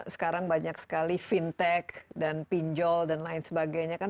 sekarang banyak sekali fintech dan pinjol dan lain sebagainya kan